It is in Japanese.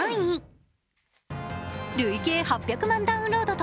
累計８００万ダウンロード